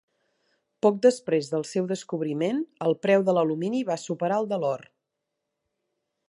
Poc després del seu descobriment, el preu de l'alumini va superar el de l'or.